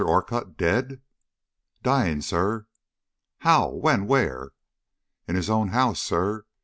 ORCUTT dead?" "Dying, sir." "How, when, where?" "In his own house, sir.